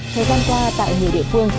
thời gian qua tại nhiều địa phương